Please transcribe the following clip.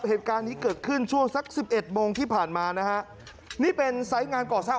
เหตุการณ์นี้เกิดขึ้นช่วงสักสิบเอ็ดโมงที่ผ่านมานะฮะนี่เป็นไซส์งานก่อสร้าง